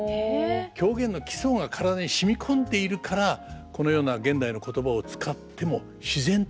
狂言の基礎が体に染み込んでいるからこのような現代の言葉を使っても自然と狂言になるんでしょうね。